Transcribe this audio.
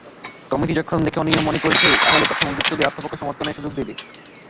Committee যদি দেখে অনিয়ম হয়েছে, তাহলে প্রথমে অভিযুক্তদের আত্মপক্ষ সমর্থনের সুযোগ দেবে।